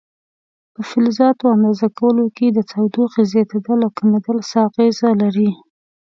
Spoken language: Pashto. په فلزاتو اندازه کولو کې د تودوخې زیاتېدل او کمېدل څه اغېزه لري؟